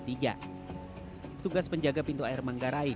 tugas penjaga pintu air manggarai